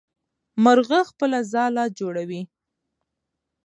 مرغه خپله ځاله جوړوي.